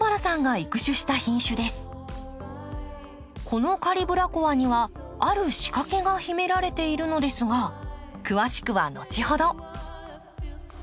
このカリブラコアにはある仕掛けが秘められているのですが詳しくは後ほど。